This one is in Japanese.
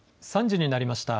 ３時になりました。